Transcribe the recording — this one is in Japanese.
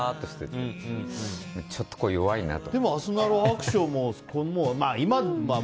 けど、ちょっと弱いなと。